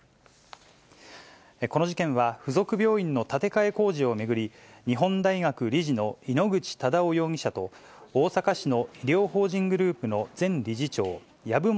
この事件は、付属病院の建て替え工事を巡り、日本大学理事の井ノ口忠男容疑者と、大阪市の医療法人グループの前理事長、籔本